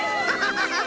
ハハハハッ！